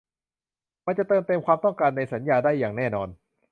มันจะเติมเต็มความต้องการในสัญญาได้อย่างแน่นอน